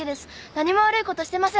何も悪いことしてません！